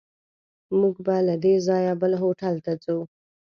موږ به له دې ځایه بل هوټل ته ځو.